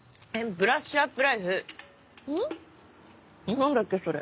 何だっけそれ。